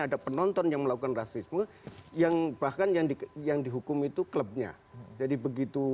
ada penonton yang melakukan rasisme yang bahkan yang dihukum itu klubnya jadi begitu